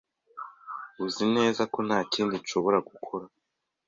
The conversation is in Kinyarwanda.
Uzi neza ko ntakindi nshobora gukora?